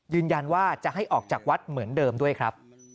ยืนยันว่าจะให้ออกจากวัดเหมือนเดิมด้วยครับ